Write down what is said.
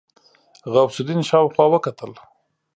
غوث الدين شاوخوا وکتل.